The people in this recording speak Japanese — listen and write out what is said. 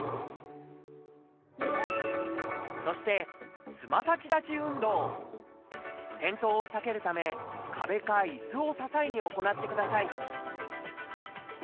そして転倒を避けるため壁かいすを支えに行ってください